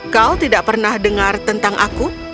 kau tidak pernah dengar tentang aku